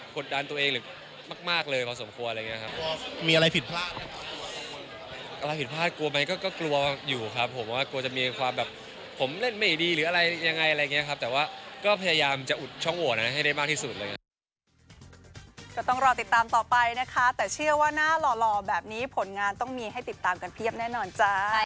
กดดันตัวเองหรือมากเลยพอสมควรอะไรอย่างเงี้ยครับมีอะไรผิดพลาดอะไรผิดพลาดกลัวไหมก็กลัวอยู่ครับผมว่ากลัวจะมีความแบบผมเล่นไม่ดีหรืออะไรยังไงอะไรอย่างเงี้ยครับแต่ว่าก็พยายามจะอุดช่องโหดนะให้ได้มากที่สุดเลยก็ต้องรอติดตามต่อไปนะครับแต่เชื่อว่าหน้าหล่อแบบนี้ผลงานต้องมีให้ติดตามกันเพียบแน่นอนจ้ะ